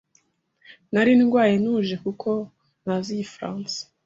Nari ndwaye ntuje kuko ntazi igifaransa.